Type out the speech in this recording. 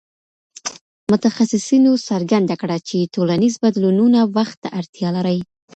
متخصصينو څرګنده کړه چي ټولنيز بدلونونه وخت ته اړتيا لري.